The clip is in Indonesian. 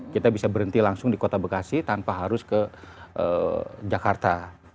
kita bisa berhenti langsung di kota bekasi tanpa harus ke jakarta